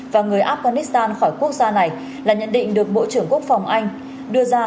và người afghanistan khỏi quốc gia này là nhận định được bộ trưởng quốc phòng anh đưa ra